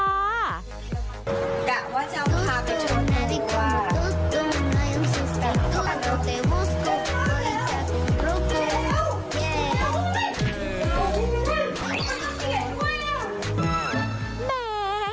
แกะว่าจะเอาพาไปชวนดีกว่า